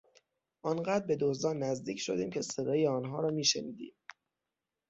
آن قدر به دزدان نزدیک شدیم که صدای آنها را میشنیدیم.